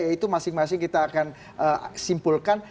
yaitu masing masing kita akan simpulkan